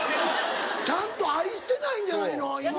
ちゃんと愛してないんじゃないの？